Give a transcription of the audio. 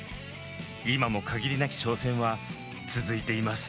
今も限りなき挑戦は続いています。